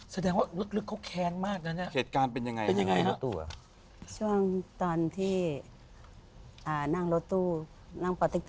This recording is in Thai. แสดงว่ารุกเขาแคลร์มากนะเนี่ย